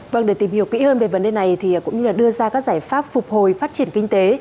vâng để tìm hiểu kỹ hơn về vấn đề này thì cũng như đưa ra các giải pháp phục hồi phát triển kinh tế